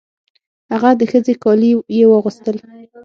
هغه د ښځې کالي یې واغوستل.